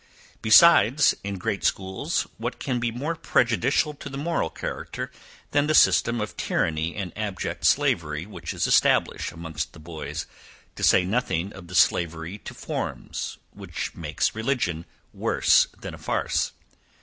Besides, in great schools what can be more prejudicial to the moral character, than the system of tyranny and abject slavery which is established amongst the boys, to say nothing of the slavery to forms, which makes religion worse than a farce?